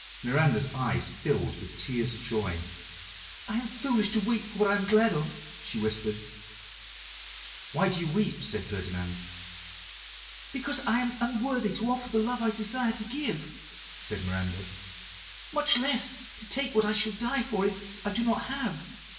Miranda's eyes filled with tears of joy. "I am foolish to weep for what I am glad of," she whispered. "Why do you weep?" said Ferdinand. "Because I am unworthy to offer the love I desire to give," said Miranda, "much less to take what I shall die for if I do not have.